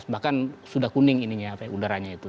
bahkan sudah kuning ininya udaranya itu